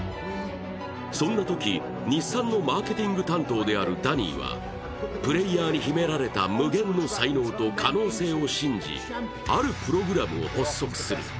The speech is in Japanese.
そんなとき、日産のマーケティング担当であるダニーはプレーヤーに秘められた無限の可能性と才能を信じあるプログラムを発足する。